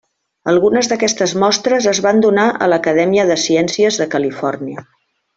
Algunes d'aquestes mostres es van donar a l'Acadèmia de Ciències de Califòrnia.